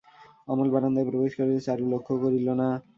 অমল বারান্দায় প্রবেশ করিল, চারু লক্ষও করিল না।